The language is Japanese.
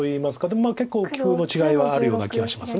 でも結構棋風の違いはあるような気がします。